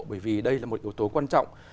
bởi vì đây là một yếu tố quan trọng